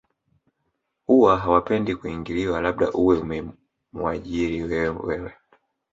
huwa hawapendi kuingiliwa labda uwe umemuajiriwe wewe